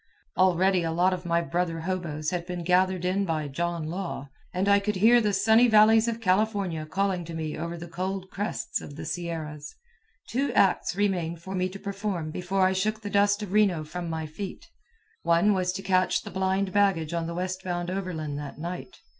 Already a lot of my brother hoboes had been gathered in by John Law, and I could hear the sunny valleys of California calling to me over the cold crests of the Sierras. Two acts remained for me to perform before I shook the dust of Reno from my feet. One was to catch the blind baggage on the westbound overland that night.